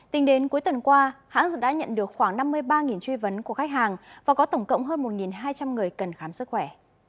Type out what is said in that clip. tính đến cuối tuần qua hãng dược đã nhận được khoảng năm mươi ba truy vấn của khách hàng và có tổng cộng hơn một hai trăm linh người cần khám sức khỏe